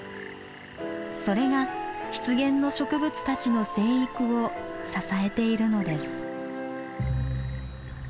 それが湿原の植物たちの生育を支えているのです。